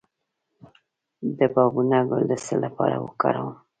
د بابونه ګل د څه لپاره وکاروم؟